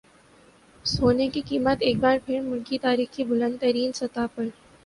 سونے کی قیمت ایک بار پھر ملکی تاریخ کی بلند ترین سطح پر